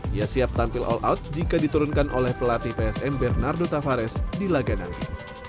dia siap tampil all out jika diturunkan oleh pelatih psm bernardo tavares di laga nanti